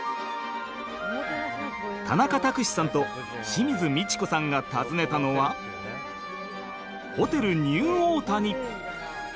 田中卓志さんと清水ミチコさんが訪ねたのはホテルニューオータニ！